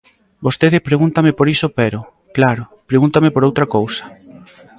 Vostede pregúntame por iso pero, claro, pregúntame por outra cousa.